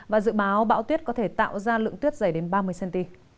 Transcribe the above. và dự báo bão tuyết có thể tạo ra lượng tuyết dày đến ba mươi cm